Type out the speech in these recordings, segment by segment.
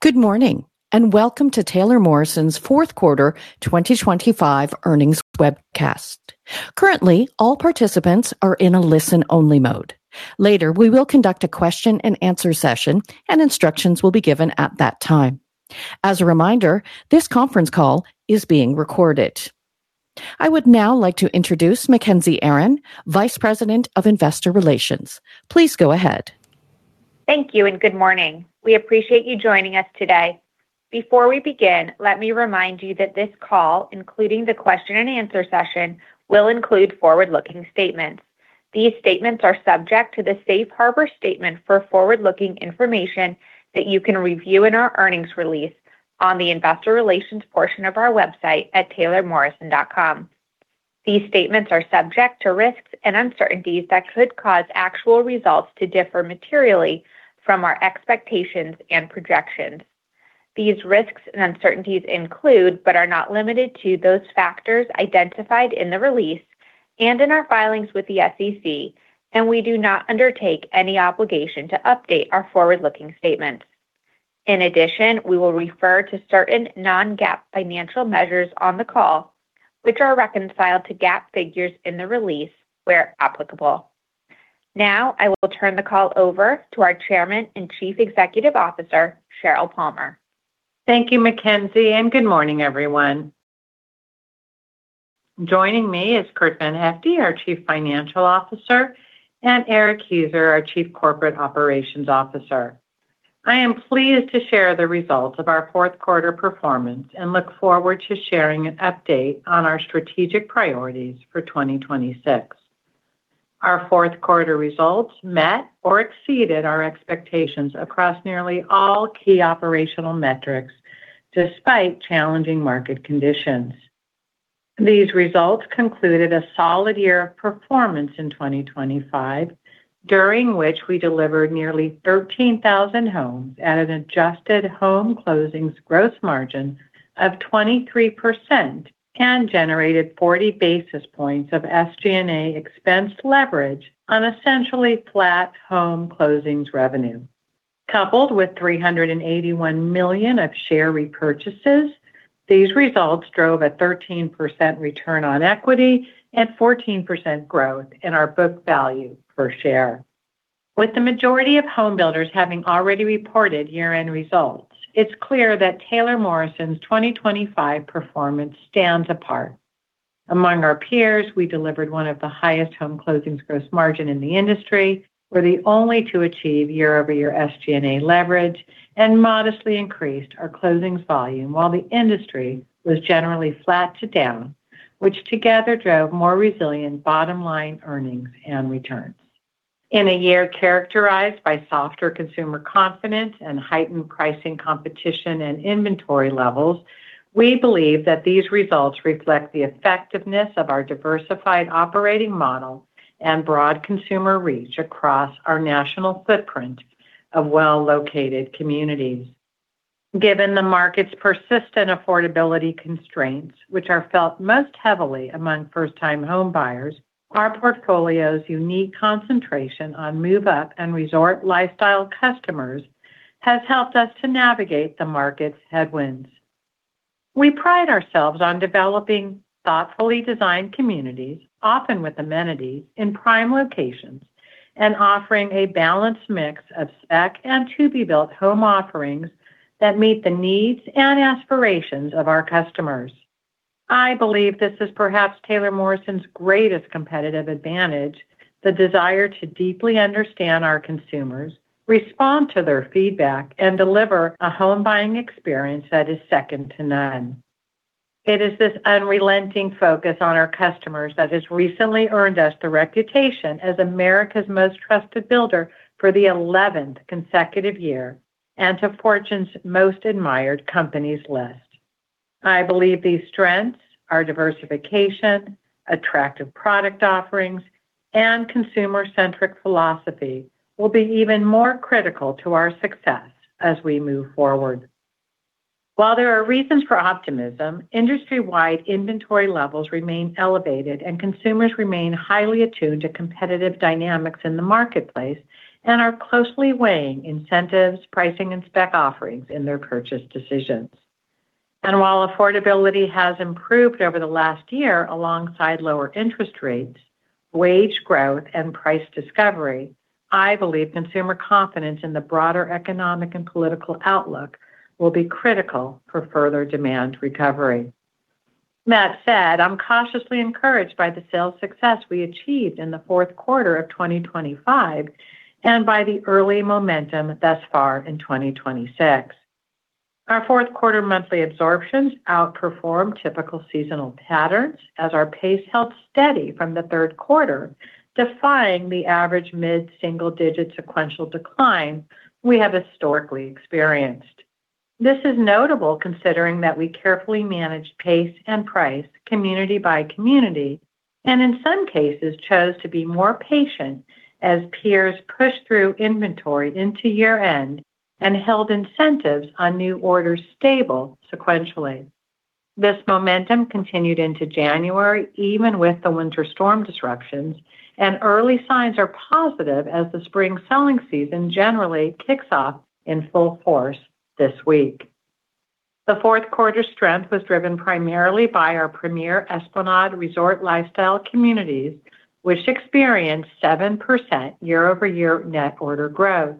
Good morning and welcome to Taylor Morrison's fourth quarter 2025 earnings webcast. Currently, all participants are in a listen-only mode. Later, we will conduct a question-and-answer session, and instructions will be given at that time. As a reminder, this conference call is being recorded. I would now like to introduce Mackenzie Aron, Vice President of Investor Relations. Please go ahead. Thank you and good morning. We appreciate you joining us today. Before we begin, let me remind you that this call, including the question-and-answer session, will include forward-looking statements. These statements are subject to the Safe Harbor Statement for forward-looking information that you can review in our earnings release on the Investor Relations portion of our website at taylormorrison.com. These statements are subject to risks and uncertainties that could cause actual results to differ materially from our expectations and projections. These risks and uncertainties include but are not limited to those factors identified in the release and in our filings with the SEC, and we do not undertake any obligation to update our forward-looking statements. In addition, we will refer to certain non-GAAP financial measures on the call, which are reconciled to GAAP figures in the release where applicable. Now I will turn the call over to our Chairman and Chief Executive Officer, Sheryl Palmer. Thank you, Mackenzie, and good morning, everyone. Joining me is Curt VanHyfte, our Chief Financial Officer, and Erik Heuser, our Chief Corporate Operations Officer. I am pleased to share the results of our fourth quarter performance and look forward to sharing an update on our strategic priorities for 2026. Our fourth quarter results met or exceeded our expectations across nearly all key operational metrics despite challenging market conditions. These results concluded a solid year of performance in 2025, during which we delivered nearly 13,000 homes at an adjusted home closings gross margin of 23% and generated 40 basis points of SG&A expense leverage on essentially flat home closings revenue. Coupled with $381 million of share repurchases, these results drove a 13% return on equity and 14% growth in our book value per share. With the majority of homebuilders having already reported year-end results, it's clear that Taylor Morrison's 2025 performance stands apart. Among our peers, we delivered one of the highest home closings gross margin in the industry, were the only two to achieve YoY SG&A leverage, and modestly increased our closings volume while the industry was generally flat to down, which together drove more resilient bottom-line earnings and returns. In a year characterized by softer consumer confidence and heightened pricing competition and inventory levels, we believe that these results reflect the effectiveness of our diversified operating model and broad consumer reach across our national footprint of well-located communities. Given the market's persistent affordability constraints, which are felt most heavily among first-time homebuyers, our portfolio's unique concentration on move-up and resort lifestyle customers has helped us to navigate the market's headwinds. We pride ourselves on developing thoughtfully designed communities, often with amenities in prime locations, and offering a balanced mix of spec and to-be-built home offerings that meet the needs and aspirations of our customers. I believe this is perhaps Taylor Morrison's greatest competitive advantage: the desire to deeply understand our consumers, respond to their feedback, and deliver a home-buying experience that is second to none. It is this unrelenting focus on our customers that has recently earned us the reputation as America's Most Trusted Builder for the 11th consecutive year and a Fortune's Most Admired Companies list. I believe these strengths, our diversification, attractive product offerings, and consumer-centric philosophy, will be even more critical to our success as we move forward. While there are reasons for optimism, industry-wide inventory levels remain elevated, and consumers remain highly attuned to competitive dynamics in the marketplace and are closely weighing incentives, pricing, and spec offerings in their purchase decisions. While affordability has improved over the last year alongside lower interest rates, wage growth, and price discovery, I believe consumer confidence in the broader economic and political outlook will be critical for further demand recovery. That said, I'm cautiously encouraged by the sales success we achieved in the fourth quarter of 2025 and by the early momentum thus far in 2026. Our fourth quarter monthly absorptions outperform typical seasonal patterns, as our pace held steady from the third quarter, defying the average mid-single-digit sequential decline we have historically experienced. This is notable considering that we carefully managed pace and price community by community and, in some cases, chose to be more patient as peers pushed through inventory into year-end and held incentives on new orders stable sequentially. This momentum continued into January, even with the winter storm disruptions, and early signs are positive as the spring selling season generally kicks off in full force this week. The fourth quarter strength was driven primarily by our premier Esplanade resort lifestyle communities, which experienced 7% YoY net order growth.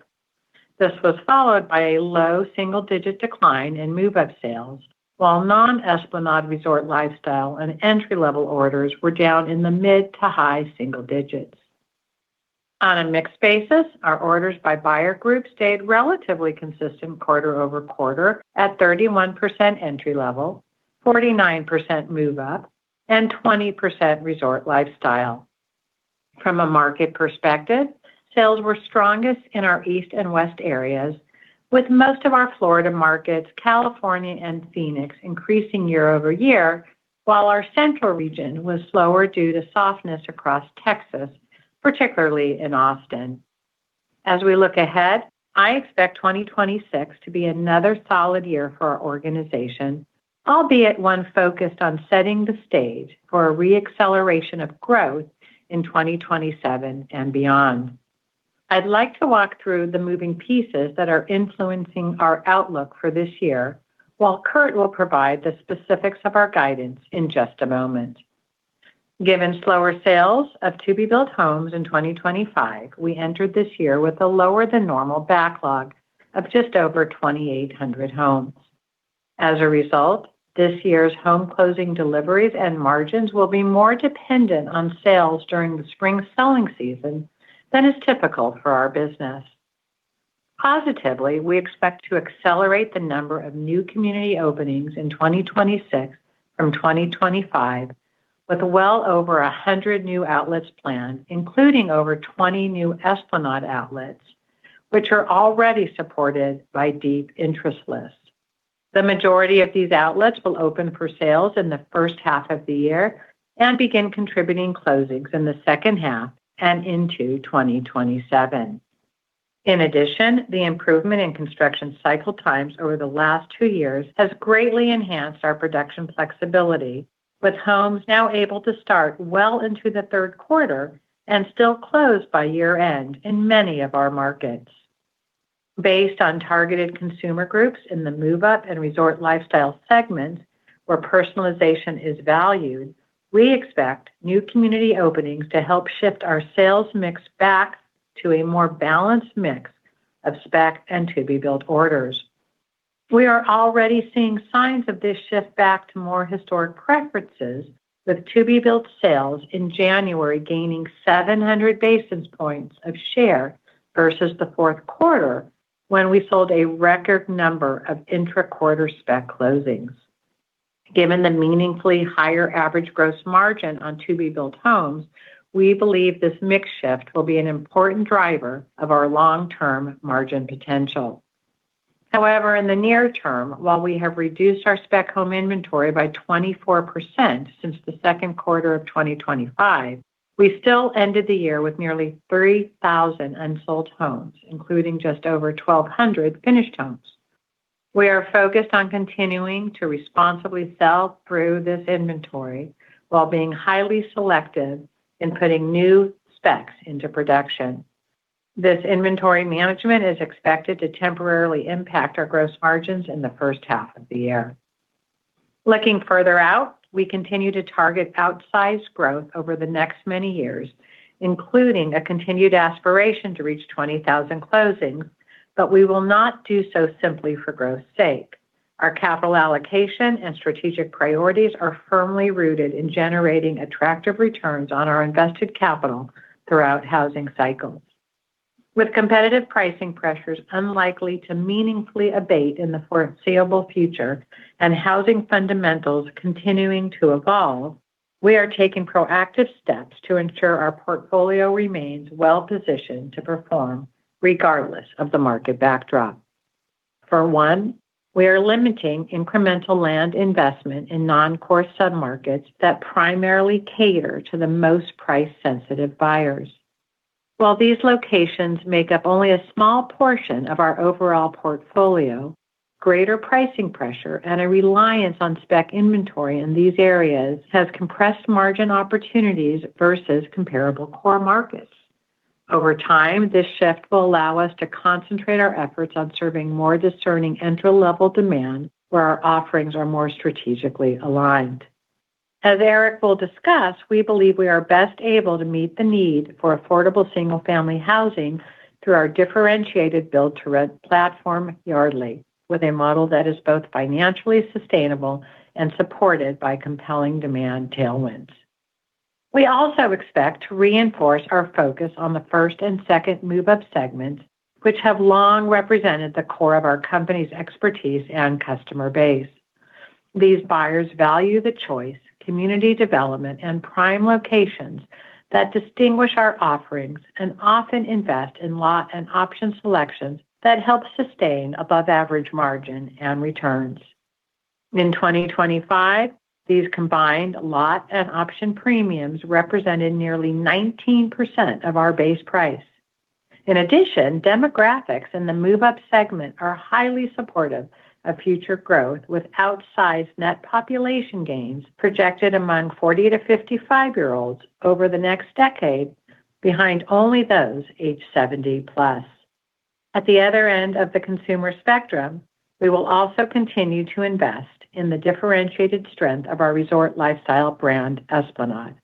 This was followed by a low single-digit decline in move-up sales, while non-Esplanade resort lifestyle and entry-level orders were down in the mid to high single digits. On a mix basis, our orders by buyer group stayed relatively consistent QoQ at 31% entry level, 49% move-up, and 20% resort lifestyle. From a market perspective, sales were strongest in our east and west areas, with most of our Florida markets, California, and Phoenix increasing YoY, while our central region was slower due to softness across Texas, particularly in Austin. As we look ahead, I expect 2026 to be another solid year for our organization, albeit one focused on setting the stage for a reacceleration of growth in 2027 and beyond. I'd like to walk through the moving pieces that are influencing our outlook for this year, while Curt will provide the specifics of our guidance in just a moment. Given slower sales of to-be-built homes in 2025, we entered this year with a lower-than-normal backlog of just over 2,800 homes. As a result, this year's home closing deliveries and margins will be more dependent on sales during the spring selling season than is typical for our business. Positively, we expect to accelerate the number of new community openings in 2026 from 2025, with well over 100 new outlets planned, including over 20 new Esplanade outlets, which are already supported by deep interest lists. The majority of these outlets will open for sales in the first half of the year and begin contributing closings in the second half and into 2027. In addition, the improvement in construction cycle times over the last two years has greatly enhanced our production flexibility, with homes now able to start well into the third quarter and still close by year-end in many of our markets. Based on targeted consumer groups in the move-up and resort lifestyle segments where personalization is valued, we expect new community openings to help shift our sales mix back to a more balanced mix of spec and to-be-built orders. We are already seeing signs of this shift back to more historic preferences, with to-be-built sales in January gaining 700 basis points of share versus the fourth quarter when we sold a record number of intra-quarter spec closings. Given the meaningfully higher average gross margin on to-be-built homes, we believe this mix shift will be an important driver of our long-term margin potential. However, in the near term, while we have reduced our spec home inventory by 24% since the second quarter of 2025, we still ended the year with nearly 3,000 unsold homes, including just over 1,200 finished homes. We are focused on continuing to responsibly sell through this inventory while being highly selective in putting new specs into production. This inventory management is expected to temporarily impact our gross margins in the first half of the year. Looking further out, we continue to target outsized growth over the next many years, including a continued aspiration to reach 20,000 closings, but we will not do so simply for growth's sake. Our capital allocation and strategic priorities are firmly rooted in generating attractive returns on our invested capital throughout housing cycles, with competitive pricing pressures unlikely to meaningfully abate in the foreseeable future and housing fundamentals continuing to evolve. We are taking proactive steps to ensure our portfolio remains well-positioned to perform regardless of the market backdrop. For one, we are limiting incremental land investment in non-core submarkets that primarily cater to the most price-sensitive buyers. While these locations make up only a small portion of our overall portfolio, greater pricing pressure and a reliance on spec inventory in these areas have compressed margin opportunities versus comparable core markets. Over time, this shift will allow us to concentrate our efforts on serving more discerning entry-level demand where our offerings are more strategically aligned. As Erik will discuss, we believe we are best able to meet the need for affordable single-family housing through our differentiated build-to-rent platform, Yardly, with a model that is both financially sustainable and supported by compelling demand tailwinds. We also expect to reinforce our focus on the first and second move-up segments, which have long represented the core of our company's expertise and customer base. These buyers value the choice, community development, and prime locations that distinguish our offerings and often invest in lot and option selections that help sustain above-average margin and returns. In 2025, these combined lot and option premiums represented nearly 19% of our base price. In addition, demographics in the move-up segment are highly supportive of future growth with outsized net population gains projected among 40- to 55-year-olds over the next decade, behind only those age 70-plus. At the other end of the consumer spectrum, we will also continue to invest in the differentiated strength of our resort lifestyle brand, Esplanade.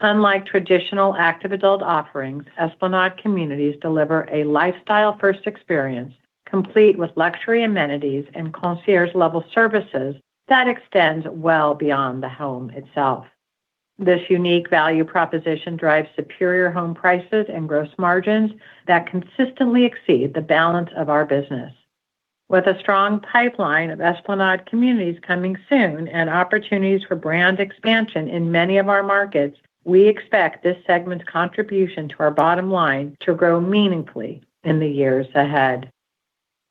Unlike traditional active adult offerings, Esplanade communities deliver a lifestyle-first experience complete with luxury amenities and concierge-level services that extends well beyond the home itself. This unique value proposition drives superior home prices and gross margins that consistently exceed the balance of our business. With a strong pipeline of Esplanade communities coming soon and opportunities for brand expansion in many of our markets, we expect this segment's contribution to our bottom line to grow meaningfully in the years ahead.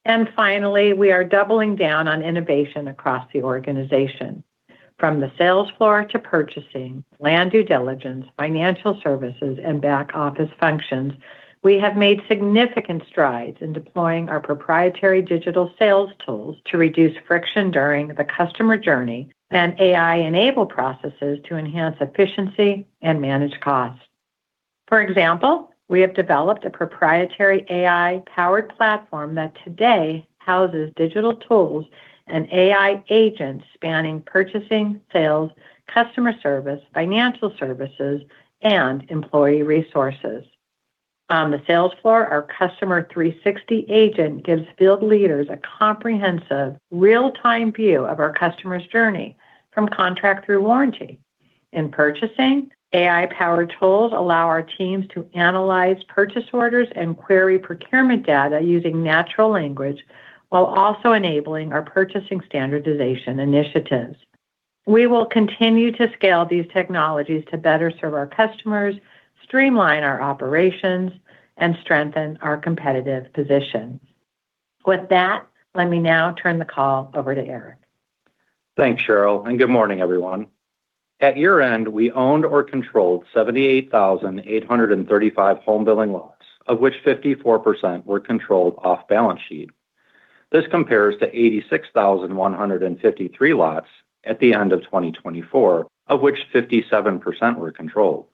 And finally, we are doubling down on innovation across the organization. From the sales floor to purchasing, land due diligence, financial services, and back-office functions, we have made significant strides in deploying our proprietary digital sales tools to reduce friction during the customer journey and AI-enabled processes to enhance efficiency and manage costs. For example, we have developed a proprietary AI-powered platform that today houses digital tools and AI agents spanning purchasing, sales, customer service, financial services, and employee resources. On the sales floor, our Customer 360 agent gives field leaders a comprehensive, real-time view of our customer's journey from contract through warranty. In purchasing, AI-powered tools allow our teams to analyze purchase orders and query procurement data using natural language while also enabling our purchasing standardization initiatives. We will continue to scale these technologies to better serve our customers, streamline our operations, and strengthen our competitive position. With that, let me now turn the call over to Erik. Thanks, Sheryl, and good morning, everyone. At year-end, we owned or controlled 78,835 home-building lots, of which 54% were controlled off balance sheet. This compares to 86,153 lots at the end of 2024, of which 57% were controlled.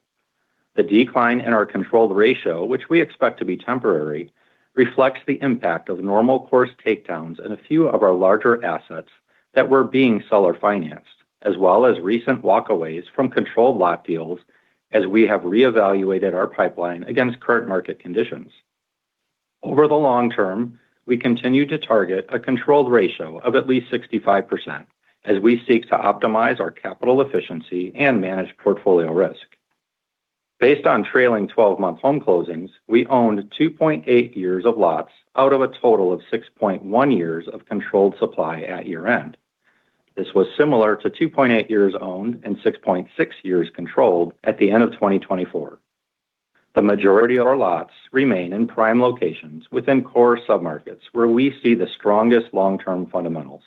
The decline in our controlled ratio, which we expect to be temporary, reflects the impact of normal course takedowns in a few of our larger assets that were being seller-financed, as well as recent walkaways from controlled lot deals as we have reevaluated our pipeline against current market conditions. Over the long term, we continue to target a controlled ratio of at least 65% as we seek to optimize our capital efficiency and manage portfolio risk. Based on trailing 12-month home closings, we owned 2.8 years of lots out of a total of 6.1 years of controlled supply at year-end. This was similar to 2.8 years owned and 6.6 years controlled at the end of 2024. The majority of our lots remain in prime locations within core submarkets where we see the strongest long-term fundamentals.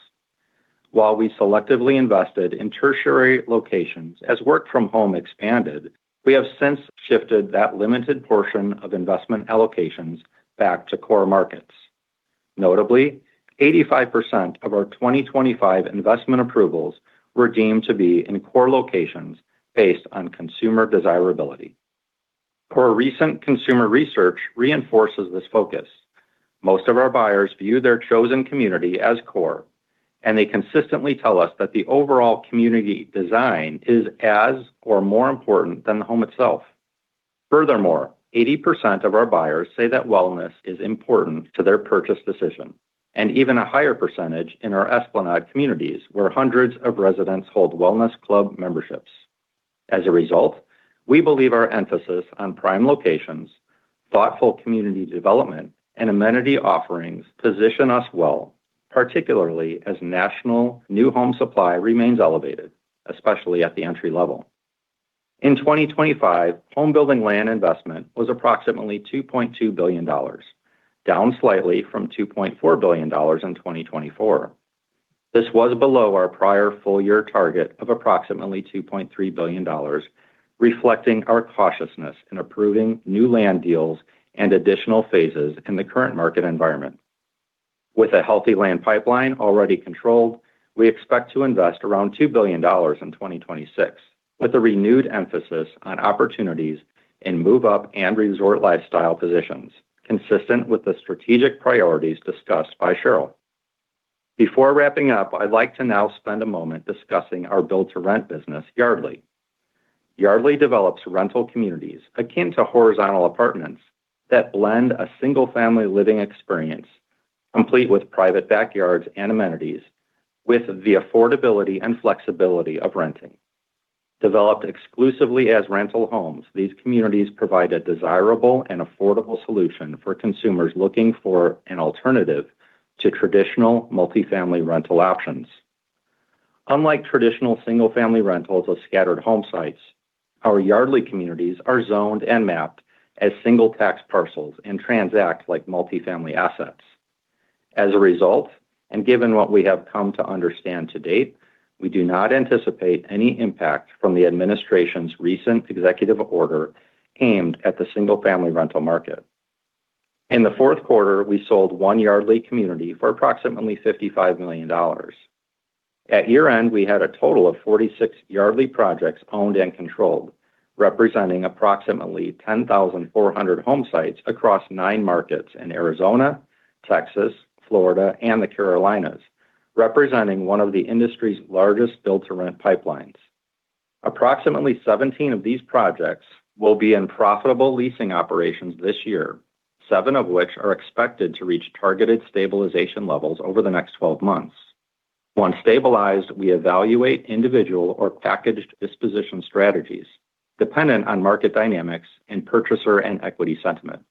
While we selectively invested in tertiary locations as work-from-home expanded, we have since shifted that limited portion of investment allocations back to core markets. Notably, 85% of our 2025 investment approvals were deemed to be in core locations based on consumer desirability. Our recent consumer research reinforces this focus. Most of our buyers view their chosen community as core, and they consistently tell us that the overall community design is as or more important than the home itself. Furthermore, 80% of our buyers say that wellness is important to their purchase decision, and even a higher percentage in our Esplanade communities where hundreds of residents hold wellness club memberships. As a result, we believe our emphasis on prime locations, thoughtful community development, and amenity offerings position us well, particularly as national new home supply remains elevated, especially at the entry level. In 2025, home-building land investment was approximately $2.2 billion, down slightly from $2.4 billion in 2024. This was below our prior full-year target of approximately $2.3 billion, reflecting our cautiousness in approving new land deals and additional phases in the current market environment. With a healthy land pipeline already controlled, we expect to invest around $2 billion in 2026, with a renewed emphasis on opportunities in move-up and resort lifestyle positions, consistent with the strategic priorities discussed by Sheryl. Before wrapping up, I'd like to now spend a moment discussing our build-to-rent business, Yardly. Yardly develops rental communities akin to horizontal apartments that blend a single-family living experience, complete with private backyards and amenities, with the affordability and flexibility of renting. Developed exclusively as rental homes, these communities provide a desirable and affordable solution for consumers looking for an alternative to traditional multifamily rental options. Unlike traditional single-family rentals of scattered home sites, our Yardly communities are zoned and mapped as single-tax parcels and transact like multifamily assets. As a result, and given what we have come to understand to date, we do not anticipate any impact from the administration's recent executive order aimed at the single-family rental market. In the fourth quarter, we sold one Yardly community for approximately $55 million. At year-end, we had a total of 46 Yardly projects owned and controlled, representing approximately 10,400 home sites across nine markets in Arizona, Texas, Florida, and the Carolinas, representing one of the industry's largest build-to-rent pipelines. Approximately 17 of these projects will be in profitable leasing operations this year, seven of which are expected to reach targeted stabilization levels over the next 12 months. Once stabilized, we evaluate individual or packaged disposition strategies dependent on market dynamics and purchaser and equity sentiment.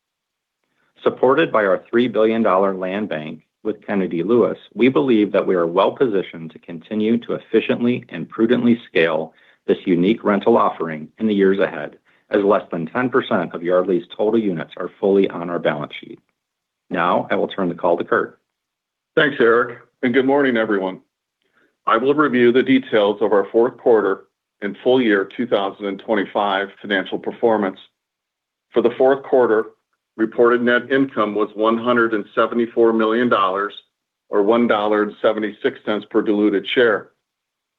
Supported by our $3 billion land bank with Kennedy Lewis, we believe that we are well-positioned to continue to efficiently and prudently scale this unique rental offering in the years ahead, as less than 10% of Yardly's total units are fully on our balance sheet. Now, I will turn the call to Curt. Thanks, Erik, and good morning, everyone. I will review the details of our fourth quarter and full-year 2025 financial performance. For the fourth quarter, reported net income was $174 million or $1.76 per diluted share,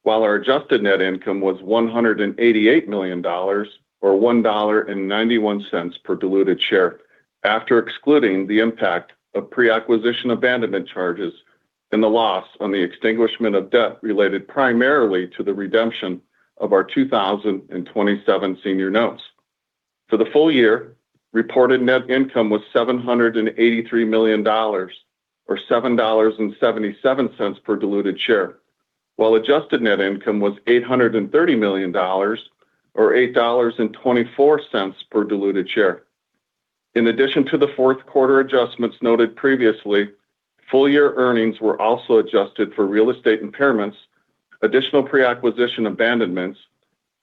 while our adjusted net income was $188 million or $1.91 per diluted share, after excluding the impact of pre-acquisition abandonment charges and the loss on the extinguishment of debt related primarily to the redemption of our 2027 senior notes. For the full year, reported net income was $783 million or $7.77 per diluted share, while adjusted net income was $830 million or $8.24 per diluted share. In addition to the fourth quarter adjustments noted previously, full-year earnings were also adjusted for real estate impairments, additional pre-acquisition abandonments,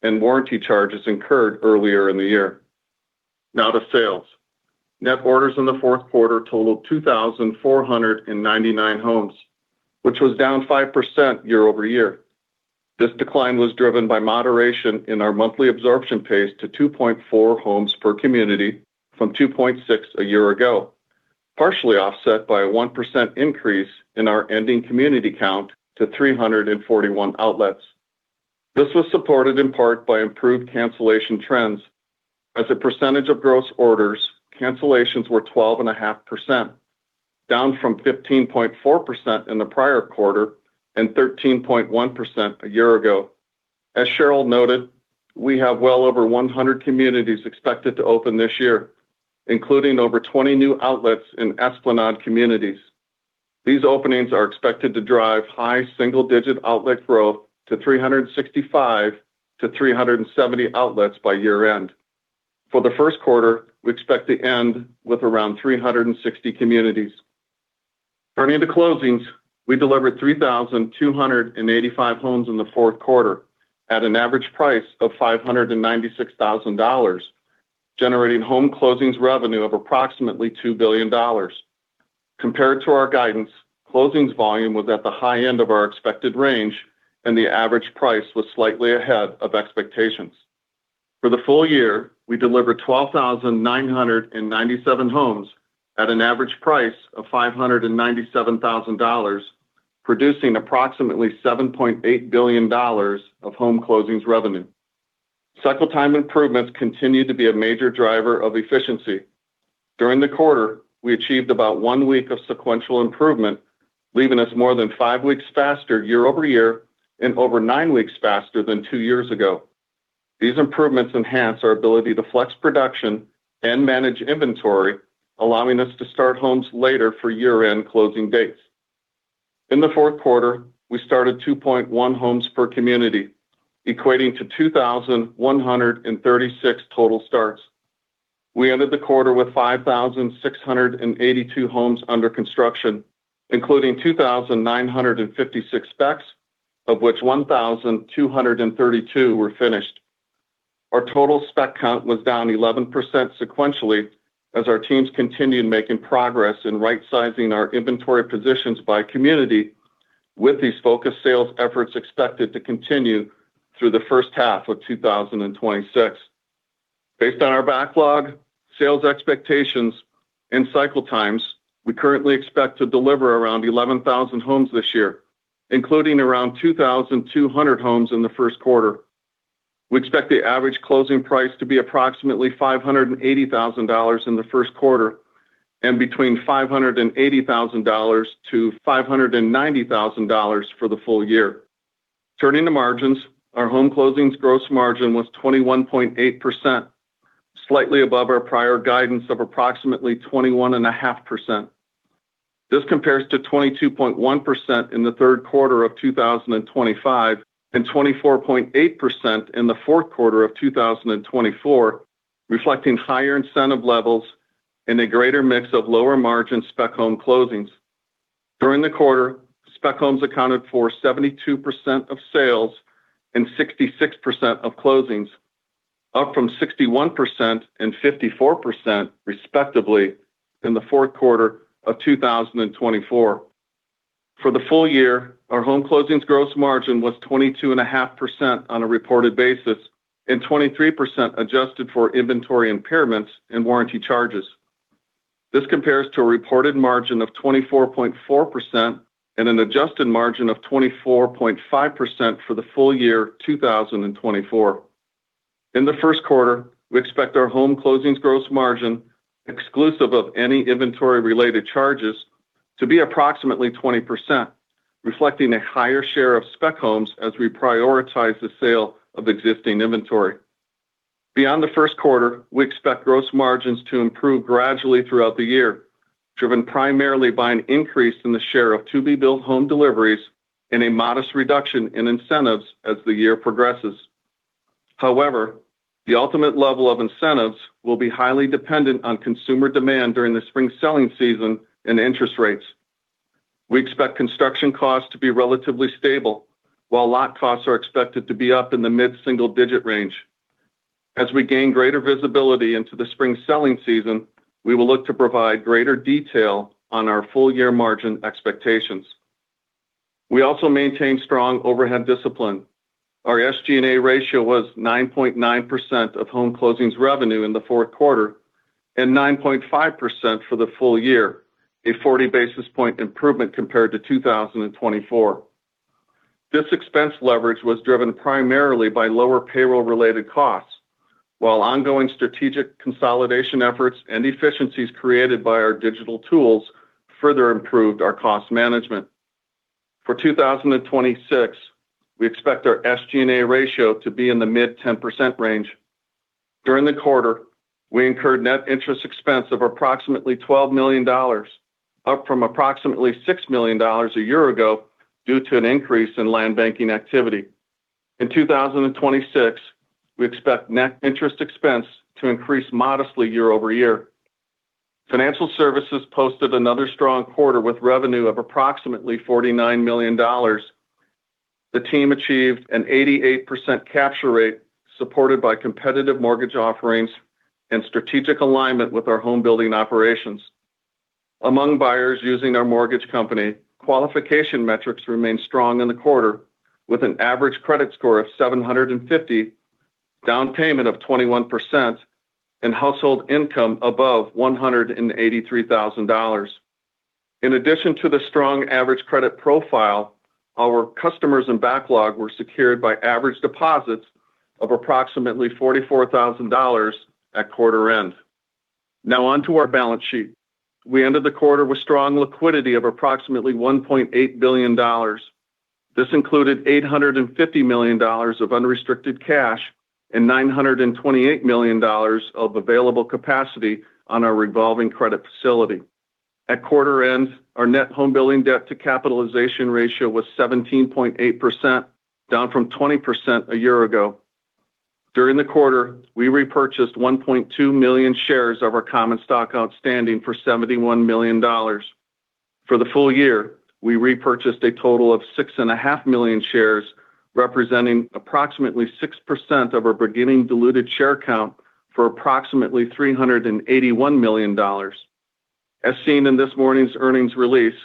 and warranty charges incurred earlier in the year. Now to sales. Net orders in the fourth quarter totaled 2,499 homes, which was down 5% YoY. This decline was driven by moderation in our monthly absorption pace to 2.4 homes per community from 2.6 a year ago, partially offset by a 1% increase in our ending community count to 341 outlets. This was supported in part by improved cancellation trends, as a percentage of gross orders, cancellations were 12.5%, down from 15.4% in the prior quarter and 13.1% a year ago. As Sheryl noted, we have well over 100 communities expected to open this year, including over 20 new outlets in Esplanade communities. These openings are expected to drive high single-digit outlet growth to 365-370 outlets by year-end. For the first quarter, we expect to end with around 360 communities. Turning to closings, we delivered 3,285 homes in the fourth quarter at an average price of $596,000, generating home closings revenue of approximately $2 billion. Compared to our guidance, closings volume was at the high end of our expected range, and the average price was slightly ahead of expectations. For the full year, we delivered 12,997 homes at an average price of $597,000, producing approximately $7.8 billion of home closings revenue. Cycle time improvements continue to be a major driver of efficiency. During the quarter, we achieved about one week of sequential improvement, leaving us more than five weeks faster YoY and over nine weeks faster than two years ago. These improvements enhance our ability to flex production and manage inventory, allowing us to start homes later for year-end closing dates. In the fourth quarter, we started 2.1 homes per community, equating to 2,136 total starts. We ended the quarter with 5,682 homes under construction, including 2,956 specs, of which 1,232 were finished. Our total spec count was down 11% sequentially as our teams continued making progress in right-sizing our inventory positions by community, with these focused sales efforts expected to continue through the first half of 2026. Based on our backlog, sales expectations, and cycle times, we currently expect to deliver around 11,000 homes this year, including around 2,200 homes in the first quarter. We expect the average closing price to be approximately $580,000 in the first quarter and between $580,000-$590,000 for the full year. Turning to margins, our home closings gross margin was 21.8%, slightly above our prior guidance of approximately 21.5%. This compares to 22.1% in the third quarter of 2025 and 24.8% in the fourth quarter of 2024, reflecting higher incentive levels and a greater mix of lower-margin spec home closings. During the quarter, spec homes accounted for 72% of sales and 66% of closings, up from 61% and 54%, respectively, in the fourth quarter of 2024. For the full year, our home closings gross margin was 22.5% on a reported basis and 23% adjusted for inventory impairments and warranty charges. This compares to a reported margin of 24.4% and an adjusted margin of 24.5% for the full year 2024. In the first quarter, we expect our home closings gross margin, exclusive of any inventory-related charges, to be approximately 20%, reflecting a higher share of spec homes as we prioritize the sale of existing inventory. Beyond the first quarter, we expect gross margins to improve gradually throughout the year, driven primarily by an increase in the share of to-be-built home deliveries and a modest reduction in incentives as the year progresses. However, the ultimate level of incentives will be highly dependent on consumer demand during the spring selling season and interest rates. We expect construction costs to be relatively stable, while lot costs are expected to be up in the mid-single-digit range. As we gain greater visibility into the spring selling season, we will look to provide greater detail on our full-year margin expectations. We also maintain strong overhead discipline. Our SG&A ratio was 9.9% of home closings revenue in the fourth quarter and 9.5% for the full year, a 40 basis point improvement compared to 2024. This expense leverage was driven primarily by lower payroll-related costs, while ongoing strategic consolidation efforts and efficiencies created by our digital tools further improved our cost management. For 2026, we expect our SG&A ratio to be in the mid-10% range. During the quarter, we incurred net interest expense of approximately $12 million, up from approximately $6 million a year ago due to an increase in land banking activity. In 2026, we expect net interest expense to increase modestly YoY. Financial services posted another strong quarter with revenue of approximately $49 million. The team achieved an 88% capture rate, supported by competitive mortgage offerings and strategic alignment with our home-building operations. Among buyers using our mortgage company, qualification metrics remained strong in the quarter, with an average credit score of 750, down payment of 21%, and household income above $183,000. In addition to the strong average credit profile, our customers' backlog were secured by average deposits of approximately $44,000 at quarter-end. Now, onto our balance sheet. We ended the quarter with strong liquidity of approximately $1.8 billion. This included $850 million of unrestricted cash and $928 million of available capacity on our revolving credit facility. At quarter-end, our net home-building debt-to-capitalization ratio was 17.8%, down from 20% a year ago. During the quarter, we repurchased 1.2 million shares of our common stock outstanding for $71 million. For the full year, we repurchased a total of 6.5 million shares, representing approximately 6% of our beginning diluted share count for approximately $381 million. As seen in this morning's earnings release,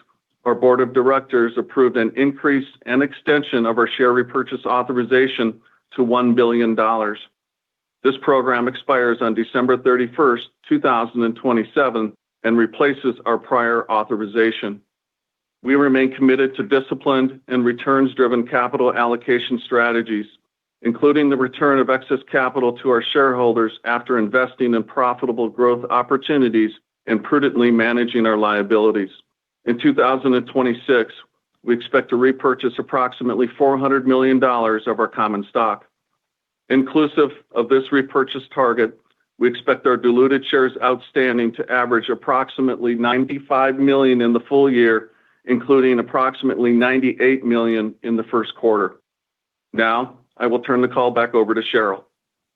our board of directors approved an increase and extension of our share repurchase authorization to $1 billion. This program expires on December 31, 2027, and replaces our prior authorization. We remain committed to disciplined and returns-driven capital allocation strategies, including the return of excess capital to our shareholders after investing in profitable growth opportunities and prudently managing our liabilities. In 2026, we expect to repurchase approximately $400 million of our common stock. Inclusive of this repurchase target, we expect our diluted shares outstanding to average approximately 95 million in the full year, including approximately 98 million in the first quarter. Now, I will turn the call back over to Sheryl.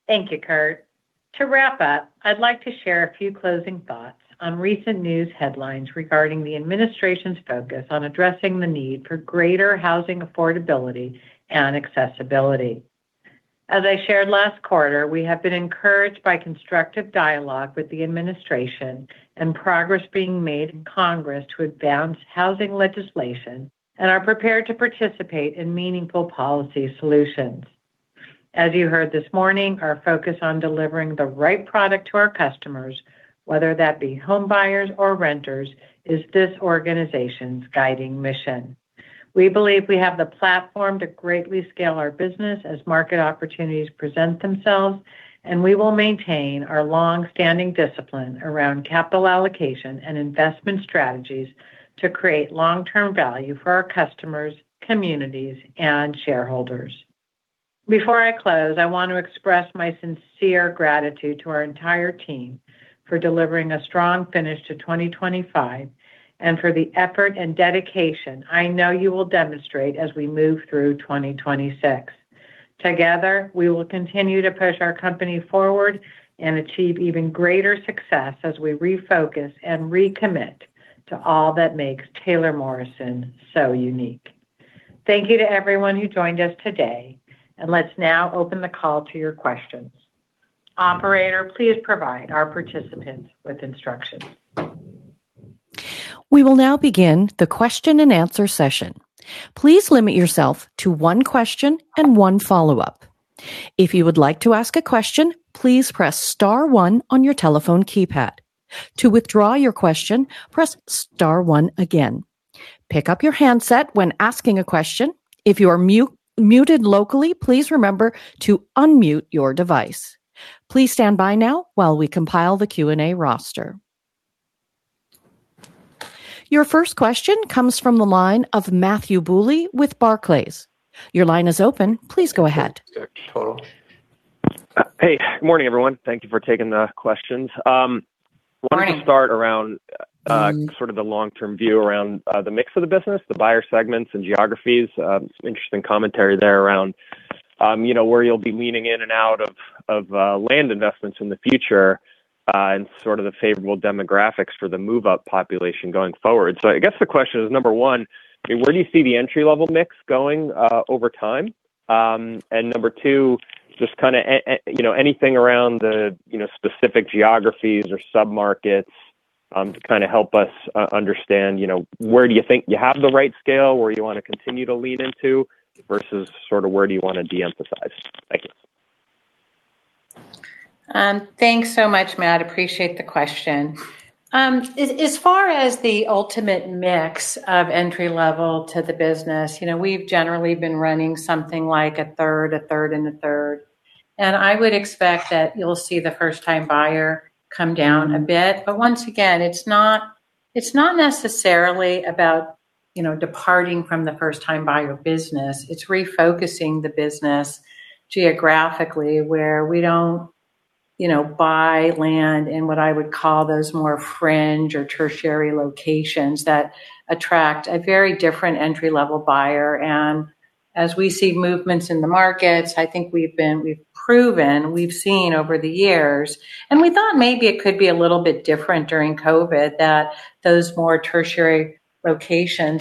Thank you, Curt. To wrap up, I'd like to share a few closing thoughts on recent news headlines regarding the administration's focus on addressing the need for greater housing affordability and accessibility. As I shared last quarter, we have been encouraged by constructive dialogue with the administration and progress being made in Congress to advance housing legislation, and are prepared to participate in meaningful policy solutions. As you heard this morning, our focus on delivering the right product to our customers, whether that be homebuyers or renters, is this organization's guiding mission. We believe we have the platform to greatly scale our business as market opportunities present themselves, and we will maintain our longstanding discipline around capital allocation and investment strategies to create long-term value for our customers, communities, and shareholders. Before I close, I want to express my sincere gratitude to our entire team for delivering a strong finish to 2025 and for the effort and dedication I know you will demonstrate as we move through 2026. Together, we will continue to push our company forward and achieve even greater success as we refocus and recommit to all that makes Taylor Morrison so unique. Thank you to everyone who joined us today, and let's now open the call to your questions. Operator, please provide our participants with instructions. We will now begin the question-and-answer session. Please limit yourself to one question and one follow-up. If you would like to ask a question, please press star one on your telephone keypad. To withdraw your question, press star one again. Pick up your handset when asking a question. If you are muted locally, please remember to unmute your device. Please stand by now while we compile the Q&A roster. Your first question comes from the line of Matthew Bouley with Barclays. Your line is open. Please go ahead. Hey. Good morning, everyone. Thank you for taking the questions. Wanted to start around sort of the long-term view around the mix of the business, the buyer segments, and geographies. Some interesting commentary there around where you'll be leaning in and out of land investments in the future and sort of the favorable demographics for the move-up population going forward. So I guess the question is, number one, where do you see the entry-level mix going over time? And number two, just kind of anything around the specific geographies or submarkets to kind of help us understand where do you think you have the right scale, where you want to continue to lean into, versus sort of where do you want to de-emphasize? Thank you. Thanks so much, Matt. Appreciate the question. As far as the ultimate mix of entry-level to the business, we've generally been running something like a third, a third, and a third. And I would expect that you'll see the first-time buyer come down a bit. But once again, it's not necessarily about departing from the first-time buyer business. It's refocusing the business geographically where we don't buy land in what I would call those more fringe or tertiary locations that attract a very different entry-level buyer. And as we see movements in the markets, I think we've proven, we've seen over the years, and we thought maybe it could be a little bit different during COVID that those more tertiary locations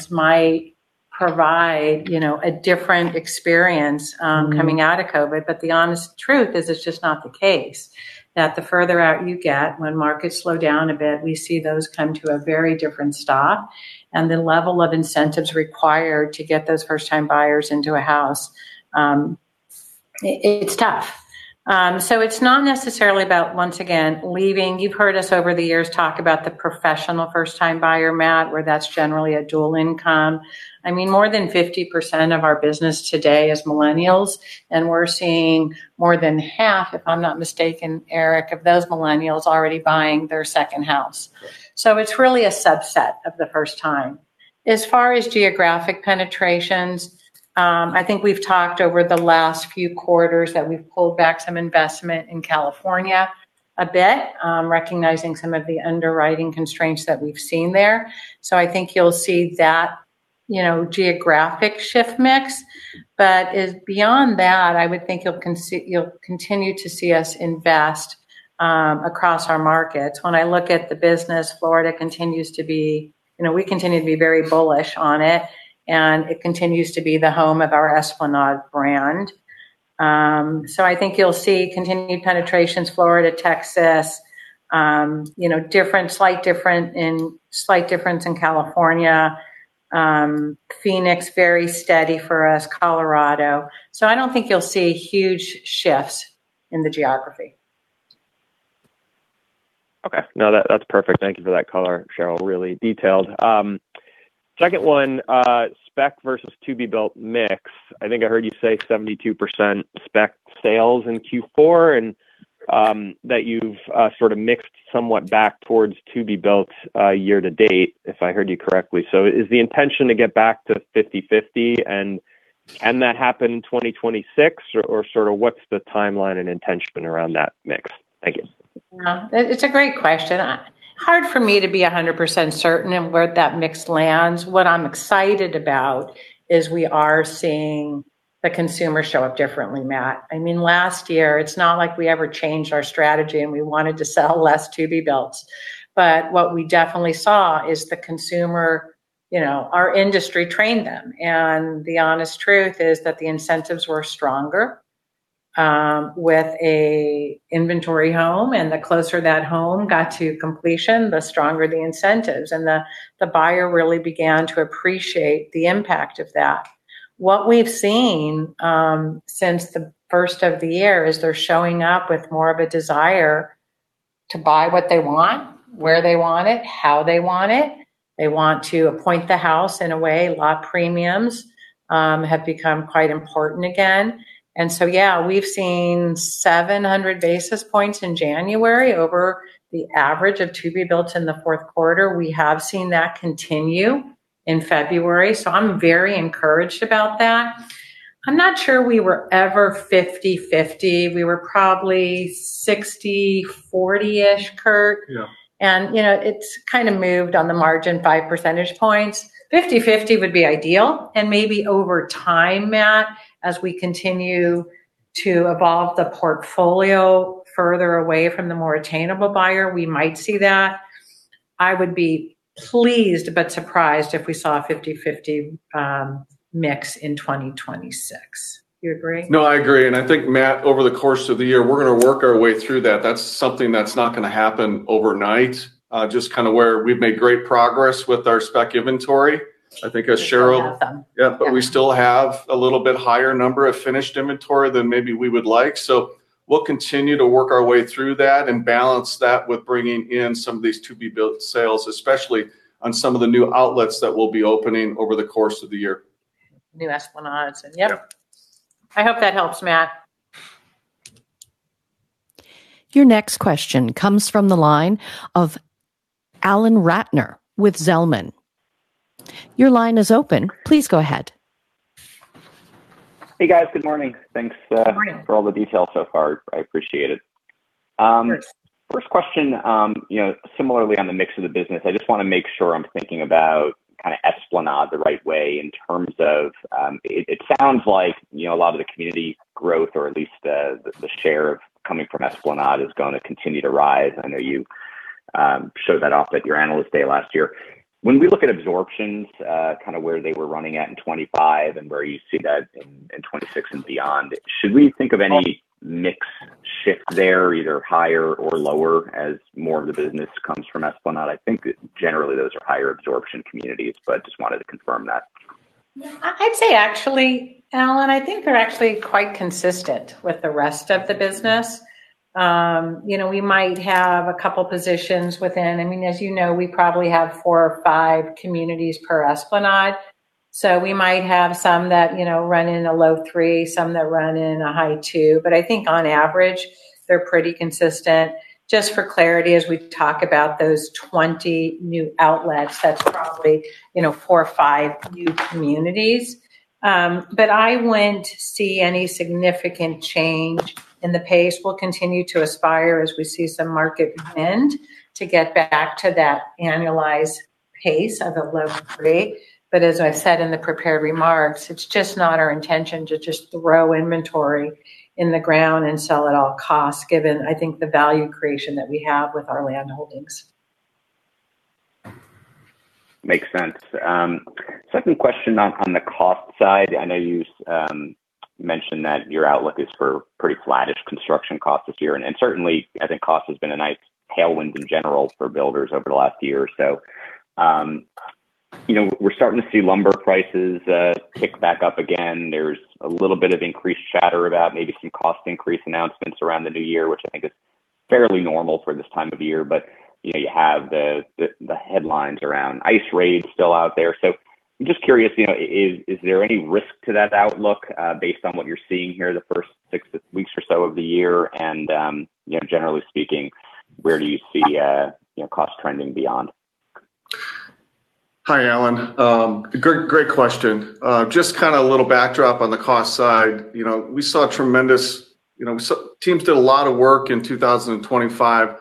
might provide a different experience coming out of COVID. But the honest truth is it's just not the case. That the further out you get, when markets slow down a bit, we see those come to a very different stop. And the level of incentives required to get those first-time buyers into a house, it's tough. So it's not necessarily about, once again, leaving you've heard us over the years talk about the professional first-time buyer, Matt, where that's generally a dual income. I mean, more than 50% of our business today is millennials, and we're seeing more than half, if I'm not mistaken, Erik, of those millennials already buying their second house. So it's really a subset of the first time. As far as geographic penetrations, I think we've talked over the last few quarters that we've pulled back some investment in California a bit, recognizing some of the underwriting constraints that we've seen there. So I think you'll see that geographic shift mix. But beyond that, I would think you'll continue to see us invest across our markets. When I look at the business, Florida continues to be where we continue to be very bullish on it, and it continues to be the home of our Esplanade brand. So I think you'll see continued penetrations: Florida, Texas, slight difference in California, Phoenix very steady for us, Colorado. So I don't think you'll see huge shifts in the geography. Okay. No, that's perfect. Thank you for that color, Sheryl, really detailed. Second one, spec versus to-be-built mix. I think I heard you say 72% spec sales in Q4 and that you've sort of mixed somewhat back towards to-be-built year to date, if I heard you correctly. So is the intention to get back to 50/50, and can that happen in 2026, or sort of what's the timeline and intention around that mix? Thank you. Yeah. It's a great question. Hard for me to be 100% certain in where that mix lands. What I'm excited about is we are seeing the consumer show up differently, Matt. I mean, last year, it's not like we ever changed our strategy and we wanted to sell less to-be-builts. But what we definitely saw is the consumer our industry trained them. And the honest truth is that the incentives were stronger with an inventory home. And the closer that home got to completion, the stronger the incentives. And the buyer really began to appreciate the impact of that. What we've seen since the first of the year is they're showing up with more of a desire to buy what they want, where they want it, how they want it. They want to appoint the house in a way. Lot premiums have become quite important again. So, yeah, we've seen 700 basis points in January over the average of to-be-built in the fourth quarter. We have seen that continue in February. So I'm very encouraged about that. I'm not sure we were ever 50/50. We were probably 60/40-ish, Curt. It's kind of moved on the margin by percentage points. 50/50 would be ideal. Maybe over time, Matt, as we continue to evolve the portfolio further away from the more attainable buyer, we might see that. I would be pleased but surprised if we saw a 50/50 mix in 2026. You agree? No, I agree. And I think, Matt, over the course of the year, we're going to work our way through that. That's something that's not going to happen overnight, just kind of where we've made great progress with our spec inventory. I think, as Sheryl. We still have some. Yeah. But we still have a little bit higher number of finished inventory than maybe we would like. So we'll continue to work our way through that and balance that with bringing in some of these to-be-built sales, especially on some of the new outlets that we'll be opening over the course of the year. New Esplanades. Yep, I hope that helps, Matt. Your next question comes from the line of Alan Ratner with Zelman. Your line is open. Please go ahead. Hey, guys. Good morning. Thanks for all the detail so far. I appreciate it. First question, similarly on the mix of the business, I just want to make sure I'm thinking about kind of Esplanade the right way in terms of it sounds like a lot of the community growth, or at least the share coming from Esplanade, is going to continue to rise. I know you showed that off at your analyst day last year. When we look at absorptions, kind of where they were running at in 2025 and where you see that in 2026 and beyond, should we think of any mix shift there, either higher or lower, as more of the business comes from Esplanade? I think generally, those are higher absorption communities, but just wanted to confirm that. Yeah. I'd say, actually, Alan, I think they're actually quite consistent with the rest of the business. We might have a couple of positions within—I mean, as you know, we probably have four or five communities per Esplanade. So we might have some that run in a low three, some that run in a high two. But I think on average, they're pretty consistent. Just for clarity, as we talk about those 20 new outlets, that's probably four or five new communities. But I wouldn't see any significant change in the pace. We'll continue to aspire, as we see some market wind, to get back to that annualized pace of a low three. But as I said in the prepared remarks, it's just not our intention to just throw inventory in the ground and sell at all costs, given, I think, the value creation that we have with our land holdings. Makes sense. Second question on the cost side. I know you mentioned that your outlook is for pretty flat-ish construction costs this year. Certainly, I think cost has been a nice tailwind in general for builders over the last year. We're starting to see lumber prices tick back up again. There's a little bit of increased chatter about maybe some cost increase announcements around the new year, which I think is fairly normal for this time of year. But you have the headlines around ICE raids still out there. I'm just curious, is there any risk to that outlook based on what you're seeing here the first six weeks or so of the year? Generally speaking, where do you see cost trending beyond? Hi, Alan. Great question. Just kind of a little backdrop on the cost side. We saw tremendous teams did a lot of work in 2025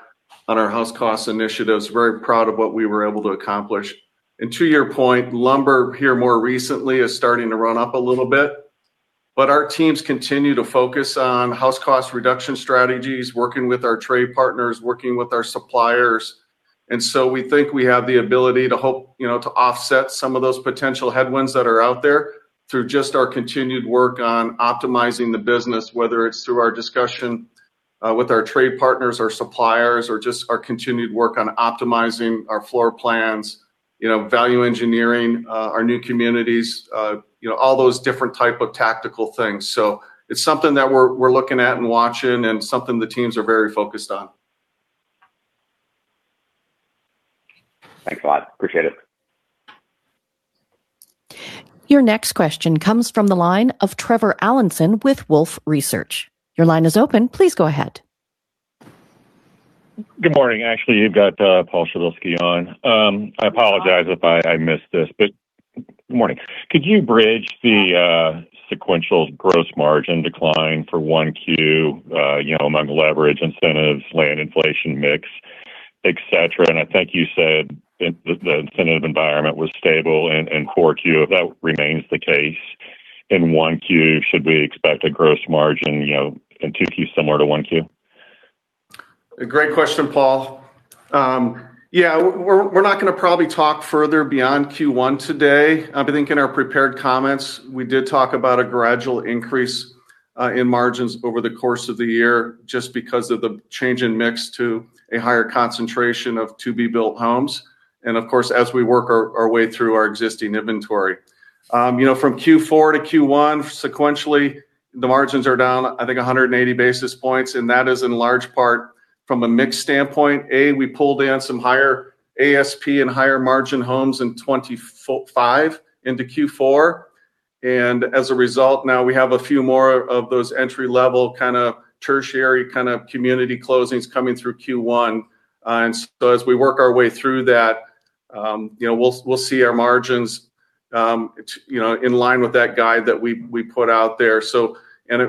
on our house cost initiatives. Very proud of what we were able to accomplish. To your point, lumber here more recently is starting to run up a little bit. But our teams continue to focus on house cost reduction strategies, working with our trade partners, working with our suppliers. So we think we have the ability to hope to offset some of those potential headwinds that are out there through just our continued work on optimizing the business, whether it's through our discussion with our trade partners, our suppliers, or just our continued work on optimizing our floor plans, value engineering, our new communities, all those different types of tactical things. It's something that we're looking at and watching and something the teams are very focused on. Thanks a lot. Appreciate it. Your next question comes from the line of Trevor Allinson with Wolfe Research. Your line is open. Please go ahead. Good morning. Actually, you've got Paul Przybylski on. I apologize if I missed this, but good morning. Could you bridge the sequential gross margin decline for 1Q among leverage, incentives, land inflation mix, etc.? And I think you said the incentive environment was stable in 4Q. If that remains the case, in 1Q, should we expect a gross margin in 2Q similar to 1Q? Great question, Paul. Yeah. We're not going to probably talk further beyond Q1 today. I think in our prepared comments, we did talk about a gradual increase in margins over the course of the year just because of the change in mix to a higher concentration of to-be-built homes. And of course, as we work our way through our existing inventory. From Q4 to Q1, sequentially, the margins are down, I think, 180 basis points. And that is in large part from a mix standpoint. A, we pulled in some higher ASP and higher margin homes in 2025 into Q4. And as a result, now we have a few more of those entry-level kind of tertiary kind of community closings coming through Q1. And so as we work our way through that, we'll see our margins in line with that guide that we put out there.